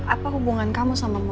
apa hubungan kamu sama